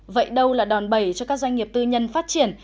vậy đâu là đòn bẩy cho các doanh nghiệp tư nhân phát triển